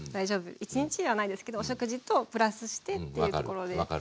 一日じゃないですけどお食事とプラスしてというところで。